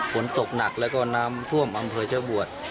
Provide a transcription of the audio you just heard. ฝนตกหนักแล้วก็น้ำท่วมอำเภอชะบวช